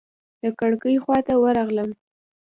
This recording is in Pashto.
د کړکۍ خواته ورغلم.